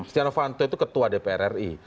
setianow hanta itu ketua dpr ri